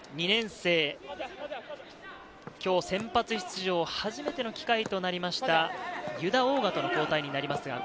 ２年生、今日、先発出場、初めての機会となりました、湯田欧雅との交代になります。